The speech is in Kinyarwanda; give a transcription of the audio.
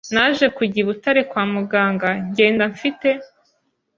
Naje kujya I Butare kwa muganga ngenda mfite